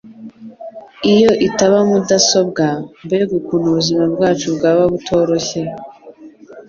Iyo itaba mudasobwa, mbega ukuntu ubuzima bwacu bwaba butoroshye!